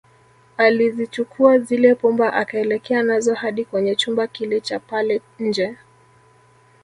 Alizichukua zile pumba akaelekea nazo hadi kwenye chumba kile Cha pale nje